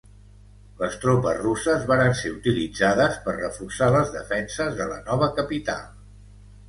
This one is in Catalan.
Les tropes russes varen ser utilitzades per reforçar les defenses de la nova capital.